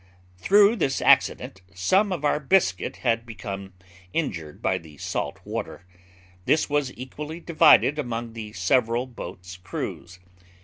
Through this accident, some of our biscuit had become injured by the salt water. This was equally divided among the several boats' crews.